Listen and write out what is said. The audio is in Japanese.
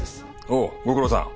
おおご苦労さん。